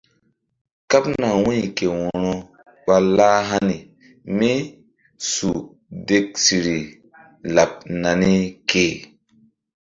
Kaɓna wu̧y ke wo̧ro ɓa lah hani mí su deksiri laɓ nani ke.